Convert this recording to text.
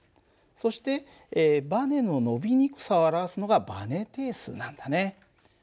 そしてばねの伸びにくさを表すのがばね定数なんだね。